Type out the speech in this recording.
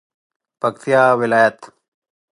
پکتیا ولایت